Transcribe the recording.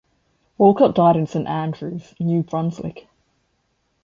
Walcott died in Saint Andrews, New Brunswick.